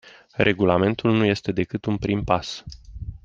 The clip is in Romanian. Regulamentul nu este decât un prim pas.